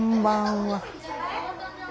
はい？